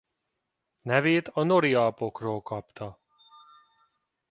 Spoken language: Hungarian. Nevét a Nori-Alpokról kapta.